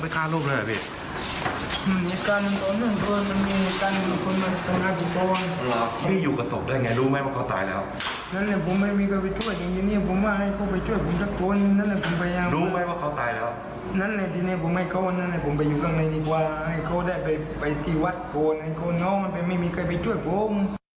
เขาได้ไปที่วัดคนเขานอนแต่ไม่มีใครไปช่วยผม